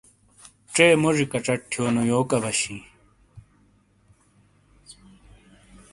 ژے موجی کچٹ تھیونیو یوک عَبش ہِیں۔